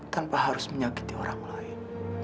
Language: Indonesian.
tanpa harus menyakiti orang lain